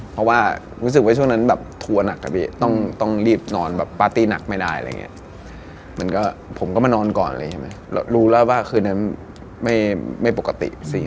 บ้าวมาซ่อมลูกกรงอะไรตอนตี๒๓ใช่ไหมพี่